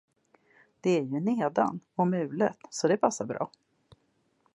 Det är ju nedan och mulet, så det passar bra.